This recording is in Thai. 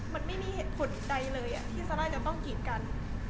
มันไม่มีเหตุผลใดเลยที่ซาร่าจะต้องกีดกัน